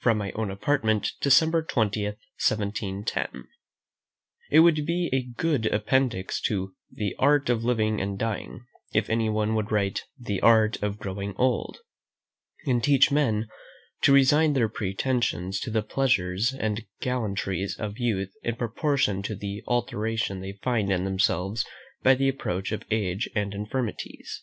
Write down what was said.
From my own Apartment, December 20, 1710. It would be a good appendix to "The Art of Living and Dying" if any one would write "The Art of growing Old," and teach men to resign their pretensions to the pleasures and gallantries of youth in proportion to the alteration they find in themselves by the approach of age and infirmities.